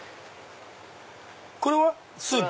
これはスープ？